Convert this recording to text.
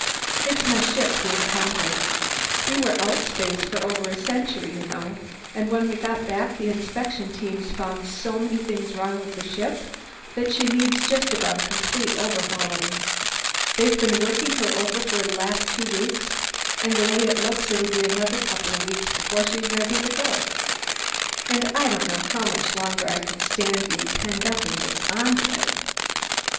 "It's my ship the Encounter. We were outspace over a century, you know, and when we got back the inspection teams found so many things wrong with the ship that she needs just about a complete overhauling. They've been working her over for the last two weeks, and the way it looks it'll be another couple of weeks before she's ready to go. And I don't know how much longer I can stand being penned up in this Enclave."